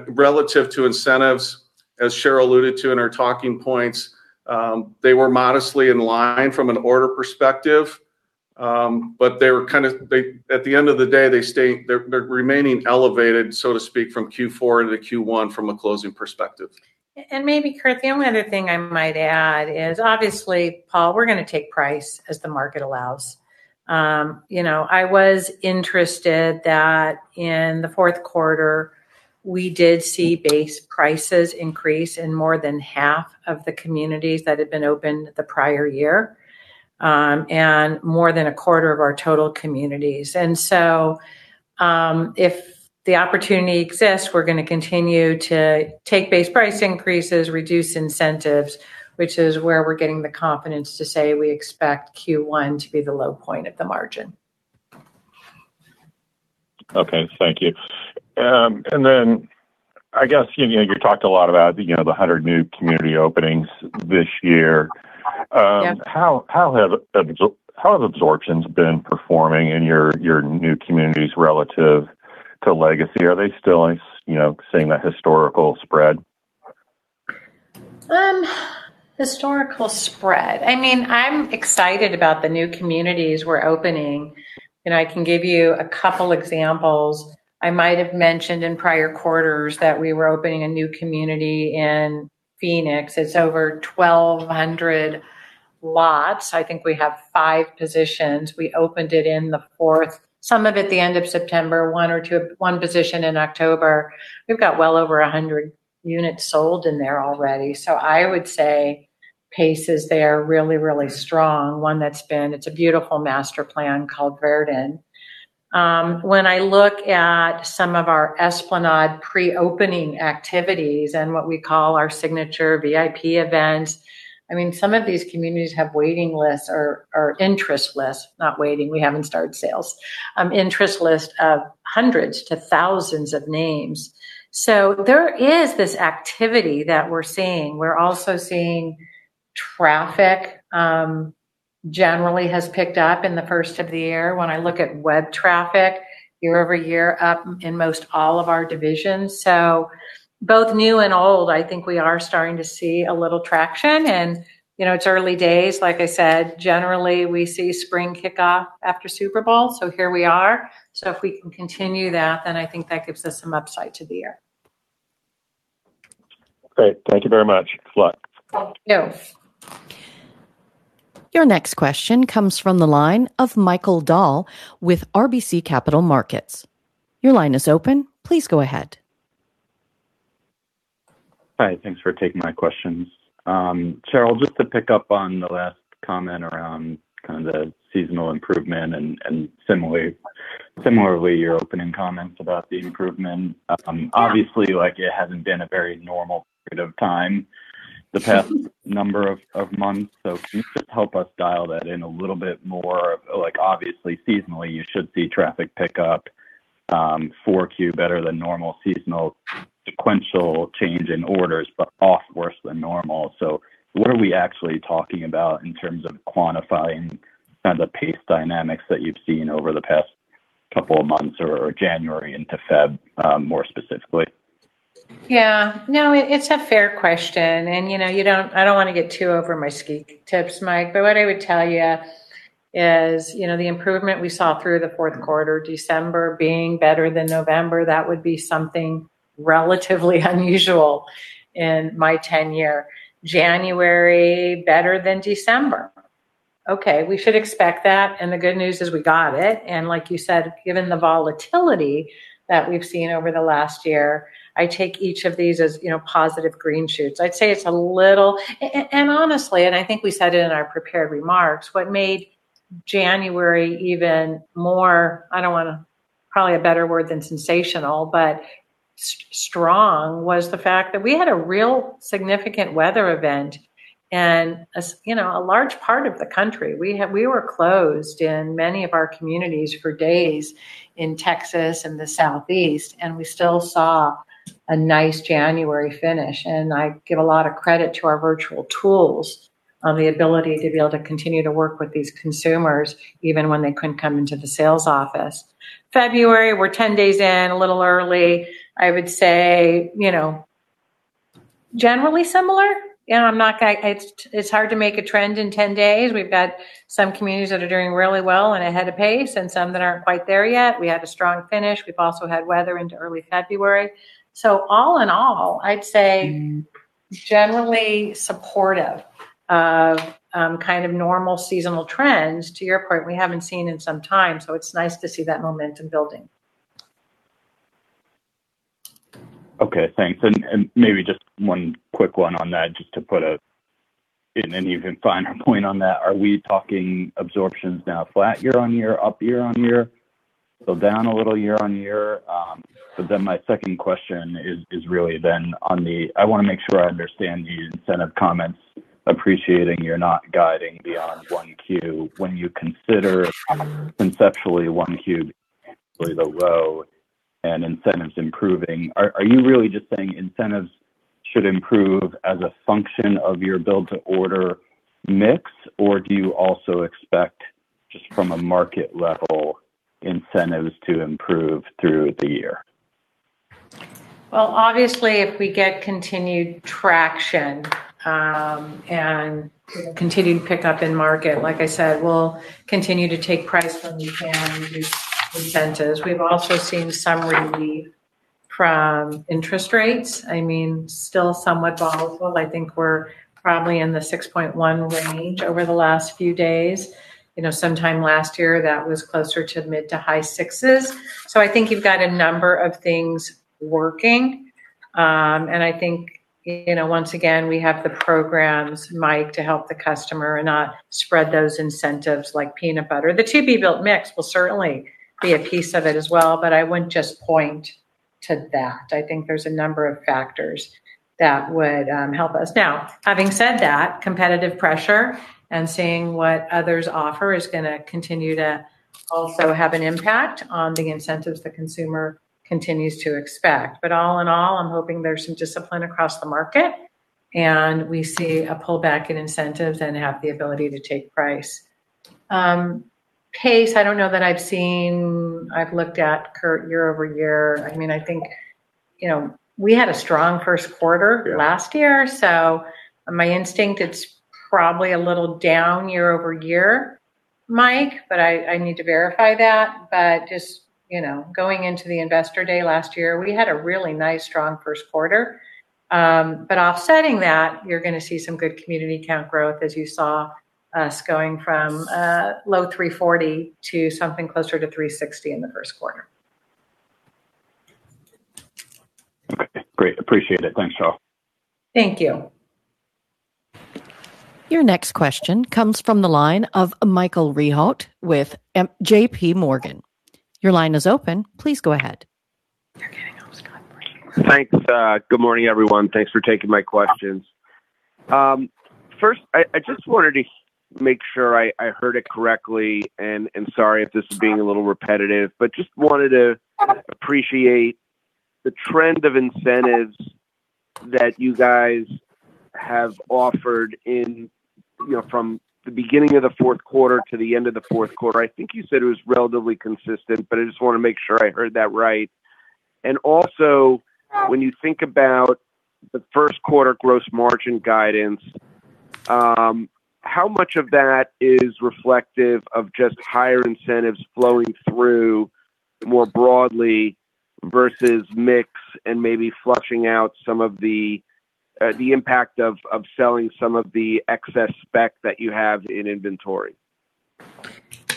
Relative to incentives, as Sheryl alluded to in her talking points, they were modestly in line from an order perspective. They were kind of at the end of the day, they're remaining elevated, so to speak, from Q4 into Q1 from a closing perspective. Maybe, Curt, the only other thing I might add is, obviously, Paul, we're going to take price as the market allows. I was interested that in the fourth quarter, we did see base prices increase in more than half of the communities that had been open the prior year and more than a quarter of our total communities. And so if the opportunity exists, we're going to continue to take base price increases, reduce incentives, which is where we're getting the confidence to say we expect Q1 to be the low point of the margin. Okay. Thank you. And then I guess you talked a lot about the 100 new community openings this year. How have absorptions been performing in your new communities relative to legacy? Are they still seeing that historical spread? Historical spread. I mean, I'm excited about the new communities we're opening. I can give you a couple of examples. I might have mentioned in prior quarters that we were opening a new community in Phoenix. It's over 1,200 lots. I think we have five positions. We opened it in the fourth, some of it the end of September, one position in October. We've got well over 100 units sold in there already. So I would say pace is there really, really strong. One that's, it's a beautiful master plan called Verdin. When I look at some of our Esplanade pre-opening activities and what we call our signature VIP events, I mean, some of these communities have waiting lists or interest lists, not waiting. We haven't started sales. Interest lists of hundreds to thousands of names. So there is this activity that we're seeing. We're also seeing traffic generally has picked up in the first of the year. When I look at web traffic, YoY, up in most all of our divisions. So both new and old, I think we are starting to see a little traction. And it's early days. Like I said, generally, we see spring kickoff after Super Bowl. So here we are. So if we can continue that, then I think that gives us some upside to the year. Great. Thank you very much. Good luck. Thank you. Your next question comes from the line of Michael Dahl with RBC Capital Markets. Your line is open. Please go ahead. Hi. Thanks for taking my questions. Sheryl, just to pick up on the last comment around kind of the seasonal improvement and similarly, your opening comments about the improvement. Obviously, it hasn't been a very normal period of time the past number of months. So can you just help us dial that in a little bit more? Obviously, seasonally, you should see traffic pick up. 4Q better than normal seasonal sequential change in orders, but off worse than normal. So what are we actually talking about in terms of quantifying kind of the pace dynamics that you've seen over the past couple of months or January into February, more specifically? Yeah. No, it's a fair question. And I don't want to get too over my ski tips, Mike. But what I would tell you is the improvement we saw through the fourth quarter, December, being better than November, that would be something relatively unusual in my tenure. January, better than December. Okay. We should expect that. And the good news is we got it. And like you said, given the volatility that we've seen over the last year, I take each of these as positive green shoots. I'd say it's a little and honestly, and I think we said it in our prepared remarks, what made January even more I don't want to probably a better word than sensational, but strong was the fact that we had a real significant weather event in a large part of the country. We were closed in many of our communities for days in Texas and the Southeast. We still saw a nice January finish. I give a lot of credit to our virtual tools on the ability to be able to continue to work with these consumers, even when they couldn't come into the sales office. February, we're 10 days in, a little early. I would say generally similar. It's hard to make a trend in 10 days. We've got some communities that are doing really well and ahead of pace and some that aren't quite there yet. We had a strong finish. We've also had weather into early February. All in all, I'd say generally supportive of kind of normal seasonal trends, to your point, we haven't seen in some time. It's nice to see that momentum building. Okay. Thanks. And maybe just one quick one on that, just to put an even finer point on that. Are we talking absorptions now flat year-on-year, up year-on-year, still down a little year-on-year? But then my second question is really then on the. I want to make sure I understand the incentive comments, appreciating you're not guiding beyond one Q. When you consider conceptually 1Q being the low and incentives improving, are you really just saying incentives should improve as a function of your build-to-order mix, or do you also expect just from a market level, incentives to improve through the year? Well, obviously, if we get continued traction and continued pickup in market, like I said, we'll continue to take price when we can reduce incentives. We've also seen some relief from interest rates. I mean, still somewhat volatile. I think we're probably in the 6.1 range over the last few days. Sometime last year, that was closer to mid- to high-6s. So I think you've got a number of things working. And I think, once again, we have the programs, Mike, to help the customer and not spread those incentives like peanut butter. The to-be-built mix will certainly be a piece of it as well. But I wouldn't just point to that. I think there's a number of factors that would help us. Now, having said that, competitive pressure and seeing what others offer is going to continue to also have an impact on the incentives the consumer continues to expect. But all in all, I'm hoping there's some discipline across the market, and we see a pullback in incentives and have the ability to take price. Pace, I don't know that I've seen. I've looked at, Curt, YoY. I mean, I think we had a strong first quarter last year. So my instinct, it's probably a little down YoY, Mike, but I need to verify that. But just going into the Investor Day last year, we had a really nice, strong first quarter. But offsetting that, you're going to see some good community count growth, as you saw us going from low 340 to something closer to 360 in the first quarter. Okay. Great. Appreciate it. Thanks, Sheryl. Thank you. Your next question comes from the line of Michael Rehaut with J.P. Morgan. Your line is open. Please go ahead. Thanks. Good morning, everyone. Thanks for taking my questions. First, I just wanted to make sure I heard it correctly. And sorry if this is being a little repetitive, but just wanted to appreciate the trend of incentives that you guys have offered from the beginning of the fourth quarter to the end of the fourth quarter. I think you said it was relatively consistent, but I just want to make sure I heard that right. And also, when you think about the first quarter gross margin guidance, how much of that is reflective of just higher incentives flowing through more broadly versus mix and maybe flushing out some of the impact of selling some of the excess spec that you have in inventory?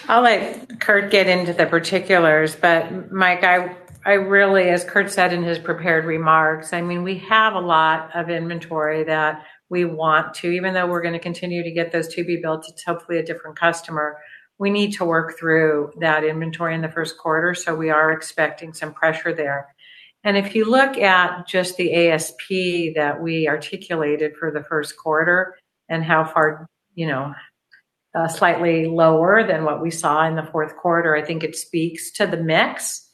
I'll let Curt get into the particulars. But Mike, as Curt said in his prepared remarks, I mean, we have a lot of inventory that we want to even though we're going to continue to get those to-be-builts. It's hopefully a different customer. We need to work through that inventory in the first quarter. So we are expecting some pressure there. And if you look at just the ASP that we articulated for the first quarter and how it's slightly lower than what we saw in the fourth quarter, I think it speaks to the mix.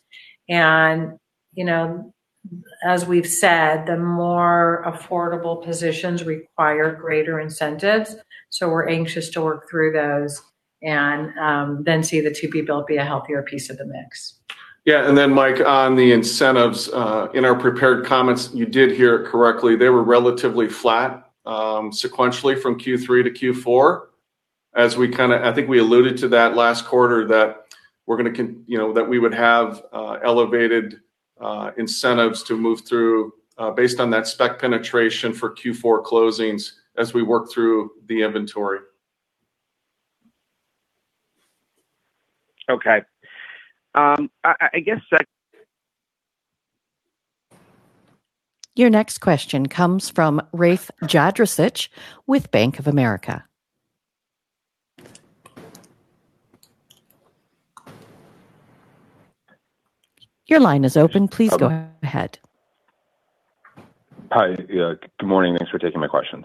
And as we've said, the more affordable positions require greater incentives. So we're anxious to work through those and then see the to-be-built be a healthier piece of the mix. Yeah. Then, Mike, on the incentives, in our prepared comments, you did hear it correctly. They were relatively flat sequentially from Q3 to Q4. As we kind of I think we alluded to that last quarter, that we would have elevated incentives to move through based on that spec penetration for Q4 closings as we work through the inventory. Okay. I guess. Your next question comes from Rafe Jadrosich with Bank of America. Your line is open. Please go ahead. Hi. Good morning. Thanks for taking my questions.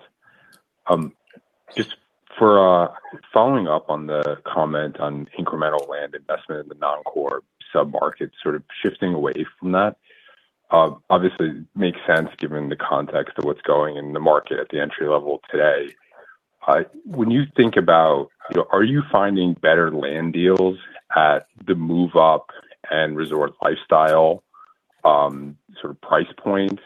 Just following up on the comment on incremental land investment in the non-core submarket, sort of shifting away from that, obviously, makes sense given the context of what's going in the market at the entry level today. When you think about are you finding better land deals at the move-up and resort lifestyle sort of price points?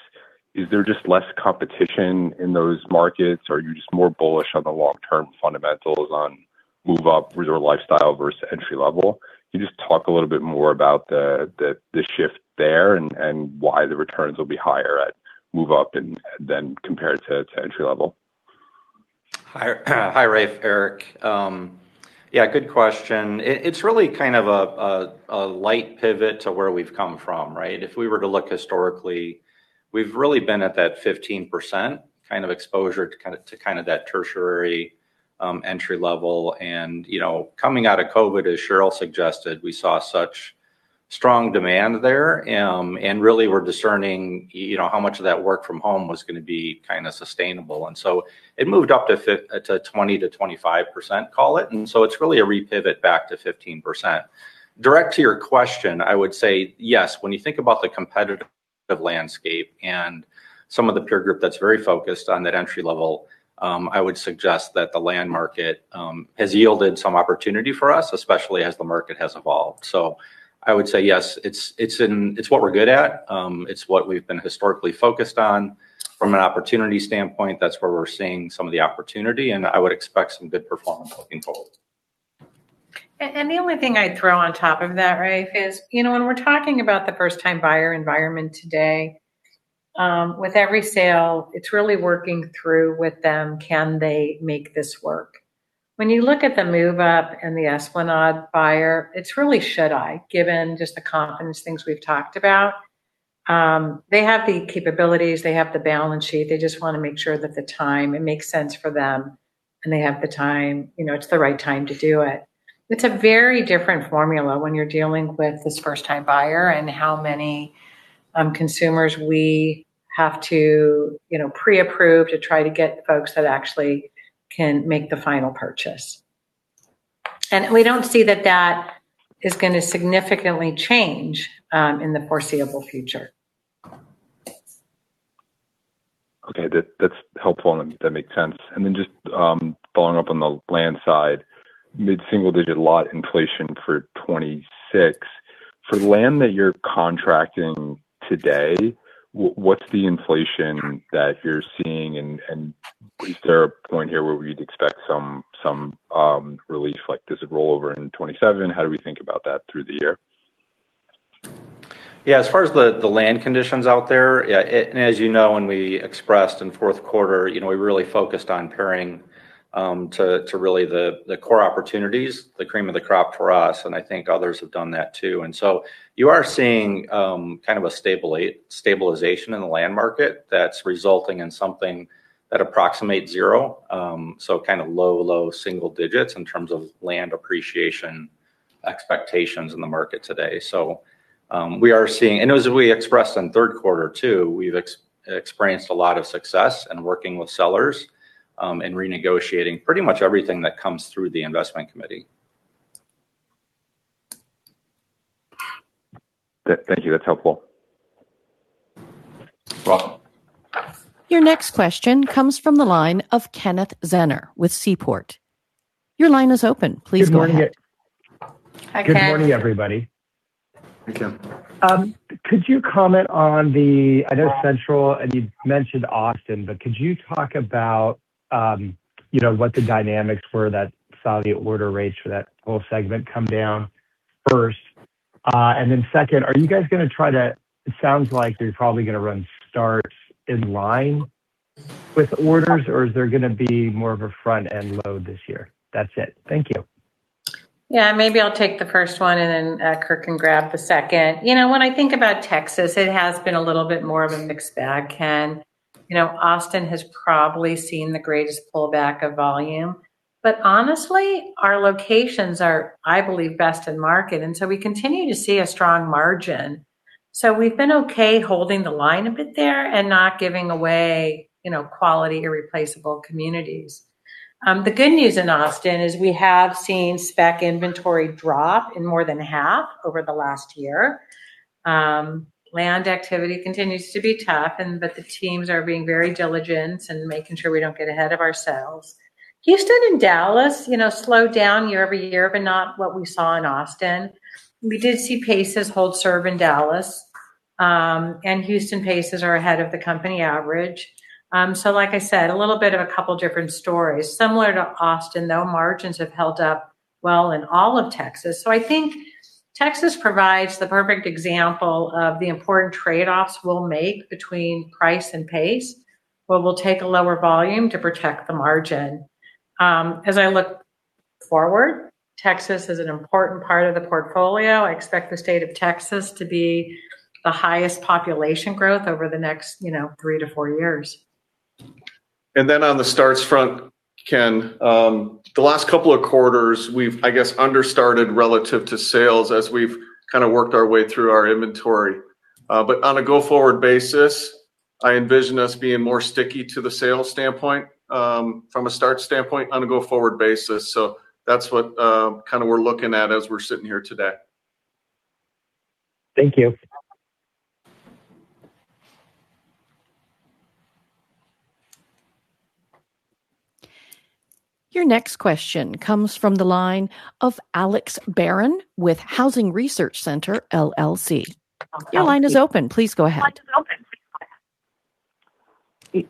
Is there just less competition in those markets? Are you just more bullish on the long-term fundamentals on move-up, resort lifestyle, versus entry level? Can you just talk a little bit more about the shift there and why the returns will be higher at move-up and then compared to entry level? Hi, Rafe, Erik. Yeah, good question. It's really kind of a light pivot to where we've come from, right? If we were to look historically, we've really been at that 15% kind of exposure to kind of that tertiary entry level. Coming out of COVID, as Sheryl suggested, we saw such strong demand there. Really, we're discerning how much of that work from home was going to be kind of sustainable. So it moved up to 20%-25%, call it. So it's really a repivot back to 15%. Direct to your question, I would say, yes, when you think about the competitive landscape and some of the peer group that's very focused on that entry level, I would suggest that the land market has yielded some opportunity for us, especially as the market has evolved. I would say, yes, it's what we're good at. It's what we've been historically focused on. From an opportunity standpoint, that's where we're seeing some of the opportunity. I would expect some good performance looking forward. And the only thing I'd throw on top of that, Rafe, is when we're talking about the first-time buyer environment today, with every sale, it's really working through with them, can they make this work? When you look at the move-up and the Esplanade buyer, it's really, should I, given just the confidence things we've talked about? They have the capabilities. They have the balance sheet. They just want to make sure that the time it makes sense for them, and they have the time. It's the right time to do it. It's a very different formula when you're dealing with this first-time buyer and how many consumers we have to pre-approve to try to get folks that actually can make the final purchase. And we don't see that that is going to significantly change in the foreseeable future. Okay. That's helpful. That makes sense. And then just following up on the land side, mid-single-digit lot inflation for 2026. For the land that you're contracting today, what's the inflation that you're seeing? And is there a point here where we'd expect some relief? Does it roll over in 2027? How do we think about that through the year? Yeah. As far as the land conditions out there, and as you know, when we expressed in fourth quarter, we really focused on paring to really the core opportunities, the cream of the crop for us. I think others have done that too. So you are seeing kind of a stabilization in the land market that's resulting in something that approximates 0. So kind of low, low single digits in terms of land appreciation expectations in the market today. We are seeing, and as we expressed in third quarter too, we've experienced a lot of success in working with sellers and renegotiating pretty much everything that comes through the Investment Committee. Thank you. That's helpful. You're welcome. Your next question comes from the line of Kenneth Zener with Seaport. Your line is open. Please go ahead. Good morning, everybody. Thank you. Could you comment on the, I know, Central, and you mentioned Austin, but could you talk about what the dynamics were that saw the order rates for that whole segment come down first? And then second, are you guys going to try to, it sounds like you're probably going to run starts in line with orders, or is there going to be more of a front-end load this year? That's it. Thank you. Yeah. Maybe I'll take the first one, and then Curt can grab the second. When I think about Texas, it has been a little bit more of a mixed bag, Ken. Austin has probably seen the greatest pullback of volume. But honestly, our locations are, I believe, best in market. And so we continue to see a strong margin. So we've been okay holding the line a bit there and not giving away quality irreplaceable communities. The good news in Austin is we have seen spec inventory drop in more than half over the last year. Land activity continues to be tough, but the teams are being very diligent and making sure we don't get ahead of ourselves. Houston and Dallas slowed down YoY, but not what we saw in Austin. We did see paces hold serve in Dallas. Houston and paces are ahead of the company average. So like I said, a little bit of a couple of different stories. Similar to Austin, though, margins have held up well in all of Texas. So I think Texas provides the perfect example of the important trade-offs we'll make between price and pace, where we'll take a lower volume to protect the margin. As I look forward, Texas is an important part of the portfolio. I expect the state of Texas to be the highest population growth over the next three to four years. And then on the starts front, Ken, the last couple of quarters, we've, I guess, understarted relative to sales as we've kind of worked our way through our inventory. But on a go-forward basis, I envision us being more sticky to the sales standpoint from a start standpoint on a go-forward basis. So that's what kind of we're looking at as we're sitting here today. Thank you. Your next question comes from the line of Alex Barron with Housing Research Center, LLC. Your line is open. Please go ahead.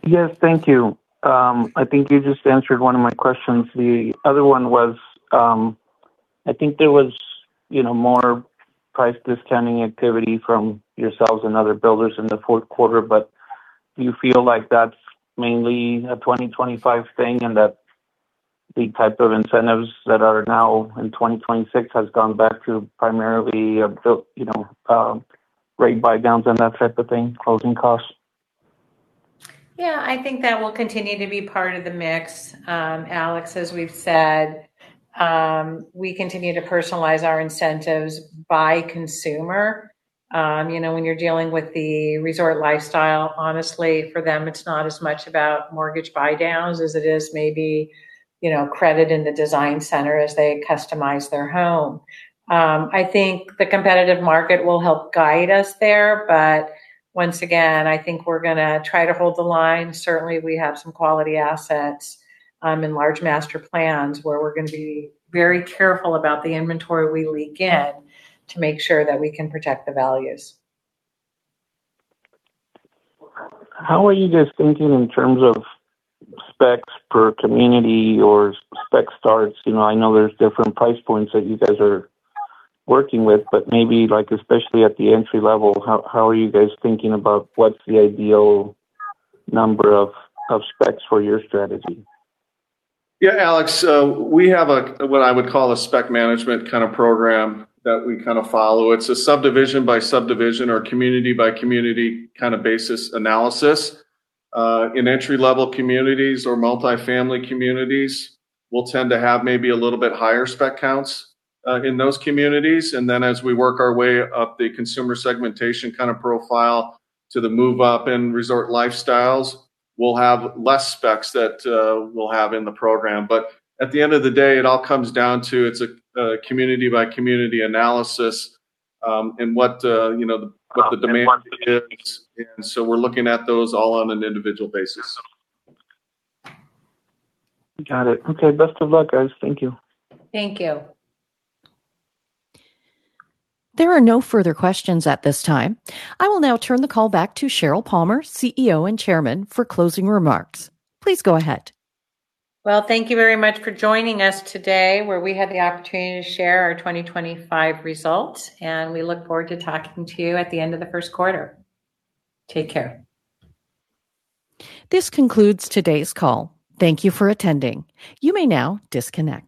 Yes. Thank you. I think you just answered one of my questions. The other one was, I think there was more price discounting activity from yourselves and other builders in the fourth quarter. But do you feel like that's mainly a 2025 thing and that the type of incentives that are now in 2026 has gone back to primarily rate buydowns and that type of thing, closing costs? Yeah. I think that will continue to be part of the mix. Alex, as we've said, we continue to personalize our incentives by consumer. When you're dealing with the resort lifestyle, honestly, for them, it's not as much about mortgage buydowns as it is maybe credit in the design center as they customize their home. I think the competitive market will help guide us there. But once again, I think we're going to try to hold the line. Certainly, we have some quality assets in large master plans where we're going to be very careful about the inventory we leak in to make sure that we can protect the values. How are you guys thinking in terms of specs per community or spec starts? I know there's different price points that you guys are working with, but maybe especially at the entry level, how are you guys thinking about what's the ideal number of specs for your strategy? Yeah, Alex. We have what I would call a spec management kind of program that we kind of follow. It's a subdivision by subdivision or community by community kind of basis analysis. In entry-level communities or multifamily communities, we'll tend to have maybe a little bit higher spec counts in those communities. And then as we work our way up the consumer segmentation kind of profile to the move-up and resort lifestyles, we'll have less specs that we'll have in the program. But at the end of the day, it all comes down to it's a community-by-community analysis and what the demand is. And so we're looking at those all on an individual basis. Got it. Okay. Best of luck, guys. Thank you. Thank you. There are no further questions at this time. I will now turn the call back to Sheryl Palmer, CEO and Chairman, for closing remarks. Please go ahead. Well, thank you very much for joining us today where we had the opportunity to share our 2025 results. We look forward to talking to you at the end of the first quarter. Take care. This concludes today's call. Thank you for attending. You may now disconnect.